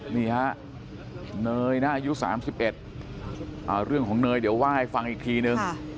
นี่ฮะเนยนะอายุ๓๑เรื่องของเนยเดี๋ยวไหว้ฟังอีกทีนึง